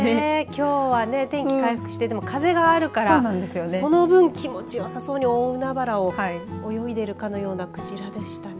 きょうは天気回復してでも風があるからその分気持ちよさそうに大海原を泳いでるかのような鯨でしたね。